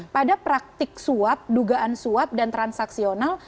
pada praktik suap dugaan suap dan transaksional